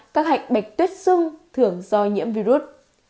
các hạch bạch tuyết xưng thường do nhiễm virus